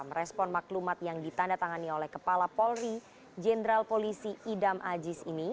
merespon maklumat yang ditandatangani oleh kepala polri jenderal polisi idam aziz ini